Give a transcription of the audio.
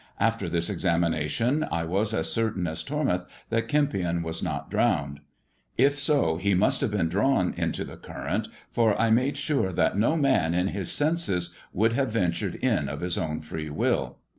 After this examination I was as certain as Tormouth that Kempion was not drowned. If so, he must have been drawn into the current, for I made sure that no man in his senses would have ventured in of his own free will.